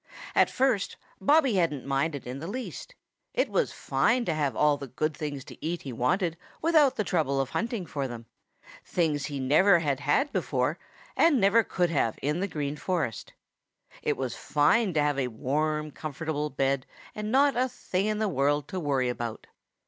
At first, Bobby hadn't minded in the least. It was fine to have all the good things to eat he wanted without the trouble of hunting for them, things he never had had before and never could have in the Green Forest. It was fine to have a warm comfortable bed and not a thing in the world to worry about.